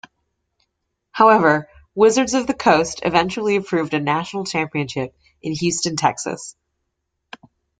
However, Wizards of the Coast eventually approved a national championship in Houston, Texas.